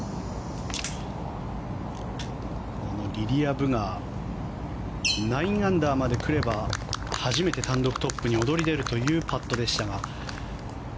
リリア・ブが９アンダーまでくれば初めて単独トップに躍り出るというパットでしたが。